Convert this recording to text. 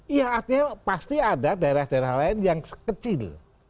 iya artinya pasti ada daerah daerah lain yang kecil